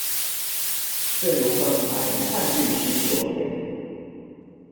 正如剛才范律師所言